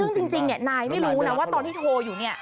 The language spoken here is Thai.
ซึ่งจริงนายไม่รู้นะว่าตอนที่โทรอยู่เนี่ย